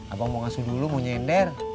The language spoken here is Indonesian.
abang mau ngasuh dulu mau nyender